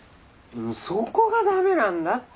そこがダメなんだって